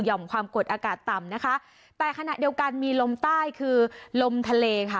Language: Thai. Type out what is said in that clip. ความกดอากาศต่ำนะคะแต่ขณะเดียวกันมีลมใต้คือลมทะเลค่ะ